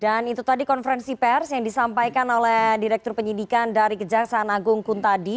dan itu tadi konferensi pers yang disampaikan oleh direktur penyidikan dari kejaksaan agung kuntadi